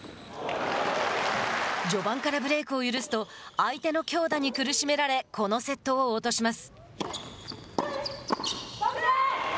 序盤からブレークを許すと相手の強打に苦しめられこのセットを落とします。